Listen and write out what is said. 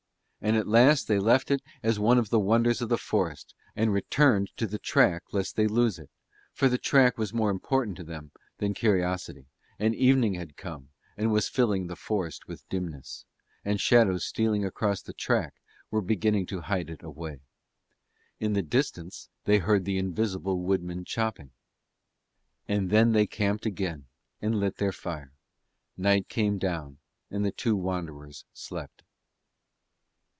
And at last they left it as one of the wonders of the forest and returned to the track lest they lose it, for the track was more important to them than curiosity, and evening had come and was filling the forest with dimness, and shadows stealing across the track were beginning to hide it away. In the distance they heard the invisible woodmen chopping. And then they camped again and lit their fire; and night came down and the two wanderers slept.